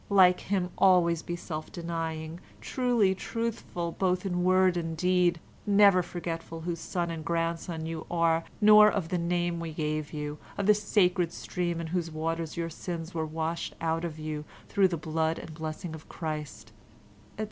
Like him, always be self denying, truly truthful both in word and deed, never forgetful whose son and grandson you are, nor of the name we gave you, of the sacred stream in whose waters your sins were washed out of you through the blood and blessing of Christ," etc.